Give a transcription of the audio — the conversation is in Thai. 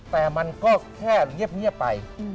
แต่มันก็แค่เงียบไป